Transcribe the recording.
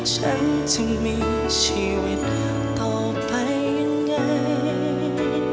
ฉันจึงมีชีวิตต่อไปยังไง